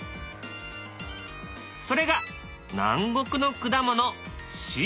それが南国の果物